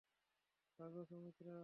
ভাগো, সুমিত্রা!